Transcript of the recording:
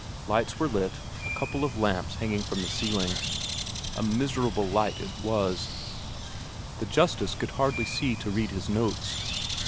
Lights were lit, a couple of lamps hanging from the ceiling a miserable light it was, the justice could hardly see to read his notes.